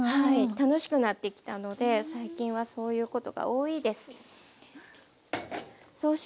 楽しくなってきたので最近はそういうことが多いです。